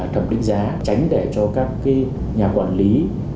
tránh để cho các nhà quản lý